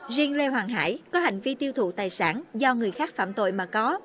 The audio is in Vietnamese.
riêng lê hoàng hải có hành vi tiêu thụ tài sản do người khác phạm tội mà có